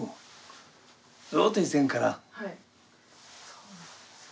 そうなんですか。